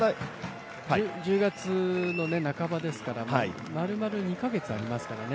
１０月の半ばですからねまるまる２か月ありますからね。